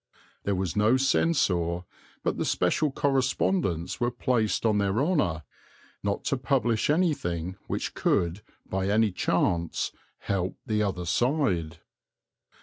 There was no censor; but the special correspondents were placed on their honour not to publish anything which could, by any chance, help the other side.